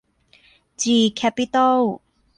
จี แคปปิตอล